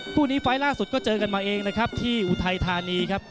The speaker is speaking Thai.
คู่นี้ไฟล์ล่าสุดก็เจอกันมาเองนะครับที่อุทัยธานีครับ